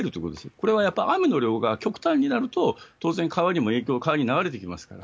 これはやっぱり雨の量が極端になると、当然川にも影響、川に流れてきますから。